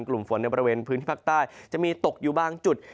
กลุ่มฝนในบริเวณพื้นที่ภาคใต้จะมีตกอยู่บางจุด